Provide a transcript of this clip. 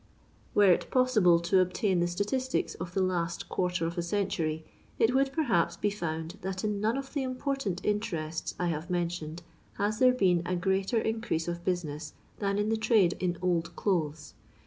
Were it possible to obtain the statistici of ilra last quarter of a century, it would, perhaps, be found that in none of the importuit intentts I have mentioned has there been a greater in crease of business than in the trade in old clotbea.